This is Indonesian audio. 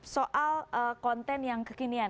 soal konten yang kekinian